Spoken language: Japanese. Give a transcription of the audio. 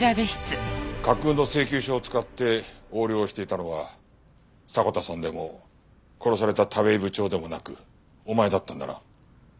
架空の請求書を使って横領していたのは迫田さんでも殺された田部井部長でもなくお前だったんだな。